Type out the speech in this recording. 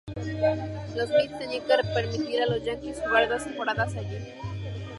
Los Mets tenían que permitir a los Yankees jugar dos temporadas allí.